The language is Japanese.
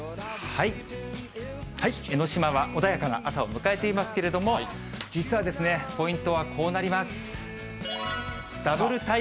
江の島は穏やかな朝を迎えていますけれども、実はですね、ポイントはこうなります。